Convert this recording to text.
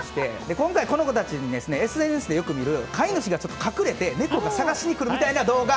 今回、この子たちにＳＮＳでよく見る飼い主が隠れて猫が探しに来る動画。